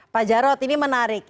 pak jarod ini menarik